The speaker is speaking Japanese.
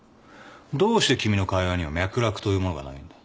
どうして君の会話には脈絡というものがないんだ？